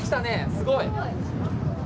すごい。